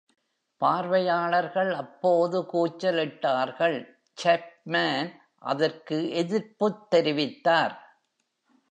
பார்வையாளர்கள் அப்போது கூச்சலிட்டார்கள் Chapman அதற்கு எதிர்ப்புத் தெரிவித்தார்.